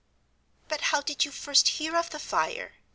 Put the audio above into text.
"But how did you first hear of the fire?"